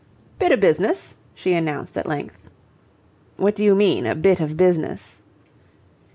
"Bit o' business," she announced, at length. "What do you mean, a bit of business?"